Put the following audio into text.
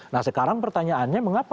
nah sekarang pertanyaannya mengapa